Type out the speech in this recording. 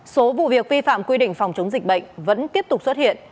số vụ việc vi phạm quy định phòng chống dịch bệnh vẫn tiếp tục xuất hiện